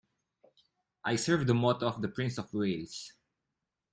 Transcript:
I serve the motto of the Prince of Wales.